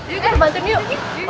yuk bantuin yuk